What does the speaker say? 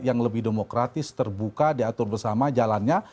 yang lebih demokratis terbuka diatur bersama jalannya